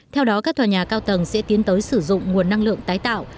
theo đó các tòa nhà cao tầng sẽ tiến tới sử dụng nguồn năng lượng tái tạo